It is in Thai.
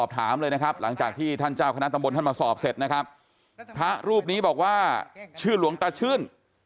ถามเลยนะครับหลังจากที่ท่านเจ้าคณะตำบลท่านมาสอบเสร็จนะครับพระรูปนี้บอกว่าชื่อหลวงตาชื่น